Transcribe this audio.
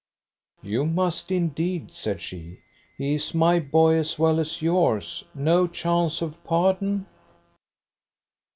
"You must indeed," said she. "He is my boy as well as yours. No chance of pardon?"